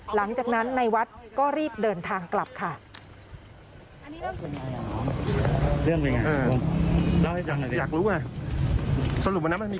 หลังจากนั้นในวัดก็รีบเดินทางกลับค่ะ